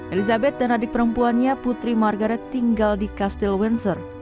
elizabeth dan adik perempuannya putri margaret tinggal di castle windsor